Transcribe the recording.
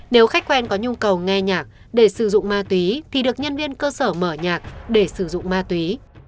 nếu khách quen có nhu cầu nghe nhạc để sử dụng ma túy thì được nhân viên cơ sở mở nhạc để sử dụng ma túy